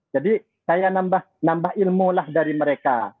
jadi saya nambah ilmu dari mereka